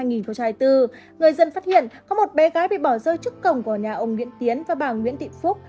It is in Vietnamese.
người dân phát hiện có một bé gái bị bỏ rơi trước cổng của nhà ông nguyễn tiến và bà nguyễn thị phúc